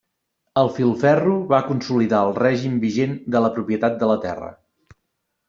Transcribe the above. El filferro va consolidar el règim vigent de la propietat de la terra.